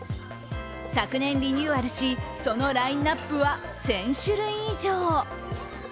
昨年リニューアルし、そのラインナップは１０００種類以上。